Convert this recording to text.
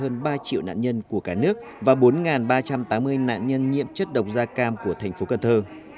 nạn nhân của cả nước và bốn ba trăm tám mươi nạn nhân nhiễm chất độc da cam của thành phố cần thơ